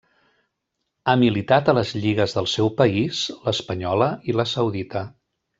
Ha militat a les lligues del seu país, l'espanyola i la saudita.